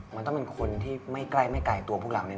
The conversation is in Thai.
มันต้องเป็นคนที่ไม่ใกล้ไม่ไกลตัวพวกเราเนี่ย